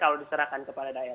kalau diserahkan kepada daerah